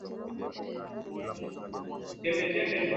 cska moscow watawakaribisha fc portal